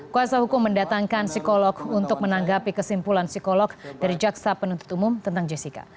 kuasa hukum mendatangkan psikolog untuk menanggapi kesimpulan psikolog dari jaksa penuntut umum tentang jessica